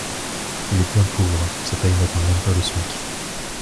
Il est bien pauvre, sa paye n’atteint même pas le SMIC.